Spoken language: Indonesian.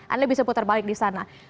anda bisa putar balik di sana